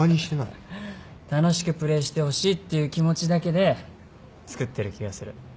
楽しくプレーしてほしいっていう気持ちだけでつくってる気がする